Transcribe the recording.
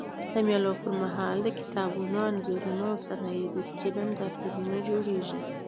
د مېلو پر مهال د کتابونو، انځورونو او صنایع دستي نندارتونونه جوړېږي.